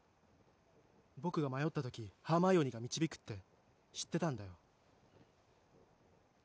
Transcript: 僕が迷った時ハーマイオニーが導くって知ってたんだよ